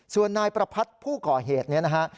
ส่วนนายประพัทธ์ผู้ก่อเหตุนี้นะฮะ